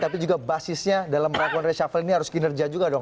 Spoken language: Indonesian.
tapi juga basisnya dalam melakukan reshuffle ini harus kinerja juga dong